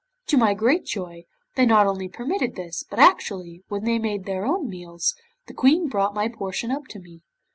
To my great joy, they not only permitted this, but actually, when they had their own meals, the Queen brought my portion up to me.